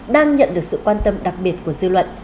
đang nhận được sự quan tâm đặc biệt của dư luận